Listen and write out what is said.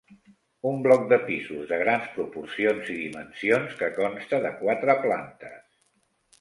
Un bloc de pisos de grans proporcions i dimensions que consta de quatre plantes.